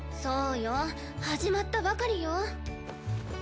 そうよ始まったばかりよ。